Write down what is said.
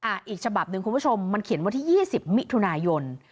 อ่ะอีกฉบับหนึ่งคุณผู้ชมมันเขียนว่าที่๒๐มิถุนายน